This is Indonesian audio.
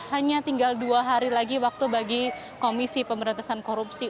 hanya tinggal dua hari lagi waktu bagi komisi pemberantasan korupsi